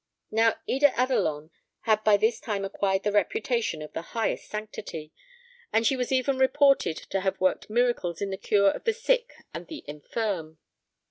Now, Eda Adelon had by this time acquired the reputation of the highest sanctity, and she was even reported to have worked miracles in the cure of the sick and the infirm.